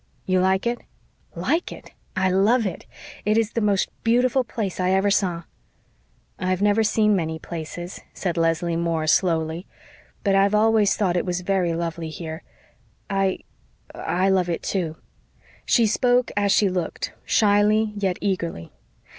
"You like it?" "LIKE it! I love it. It is the most beautiful place I ever saw." "I've never seen many places," said Leslie Moore, slowly, "but I've always thought it was very lovely here. I I love it, too." She spoke, as she looked, shyly, yet eagerly.